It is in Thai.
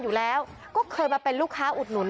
อยู่แล้วก็เคยมาเป็นลูกค้าอุดหนุน